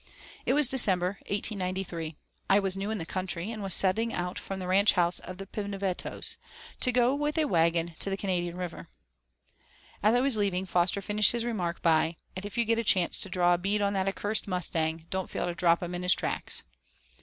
II It was December, 1893. I was new in the country, and was setting out from the ranch house on the Pinavetitos, to go with a wagon to the Canadian River. As I was leaving, Foster finished his remark by: "And if you get a chance to draw a bead on that accursed mustang, don't fail to drop him in his tracks."